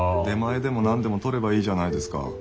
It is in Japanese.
出前でも何でも取ればいいじゃないですか？